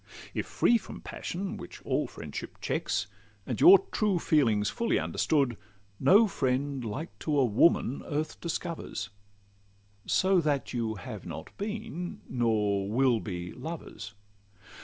If free from passion, which all friendship checks, And your true feelings fully understood, No friend like to a woman earth discovers, So that you have not been nor will be lovers.